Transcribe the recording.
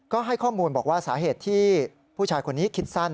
ก็ให้ข้อมูลบอกว่าสาเหตุที่ผู้ชายคนนี้คิดสั้น